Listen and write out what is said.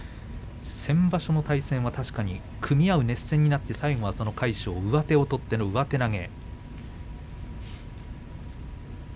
先場所の対戦は組み合う熱戦になって最後は魁勝、上手を取っての上手投げ。